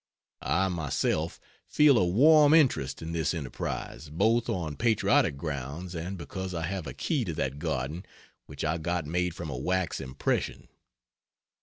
I myself feel a warm interest in this enterprise, both on patriotic grounds and because I have a key to that garden, which I got made from a wax impression.